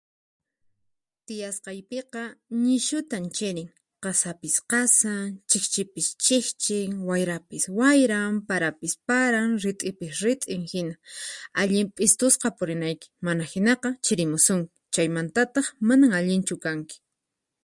Tiyasqaypika ñishutan chirin, qasapis qasan, chikchipis chikchin, wayrapis wayran, parapis paran, rit'ipis rit'in hina, allin p'istusqa purinayki mana hinaka chirimusunki chaymantataq manan allinchu kanki.